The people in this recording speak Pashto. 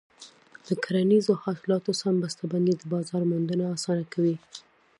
د کرنیزو حاصلاتو سم بسته بندي د بازار موندنه اسانه کوي.